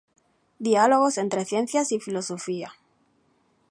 Diálogos entre ciencias y filosofía.